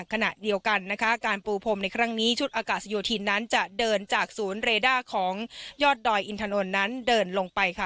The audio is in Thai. ขณะเดียวกันนะคะการปูพรมในครั้งนี้ชุดอากาศโยธินนั้นจะเดินจากศูนย์เรด้าของยอดดอยอินถนนนั้นเดินลงไปค่ะ